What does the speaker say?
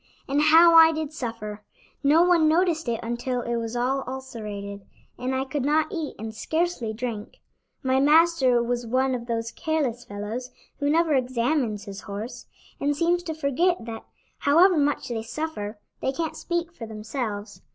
"And how I did suffer! No one noticed it until it was all ulcerated, and I could not eat and scarcely drink. My master was one of those careless fellows who never examines his horse, and seems to forget that, however much they suffer, they can't speak for themselves.